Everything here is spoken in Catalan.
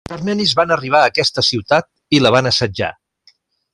Els armenis van arribar a aquesta ciutat i la van assetjar.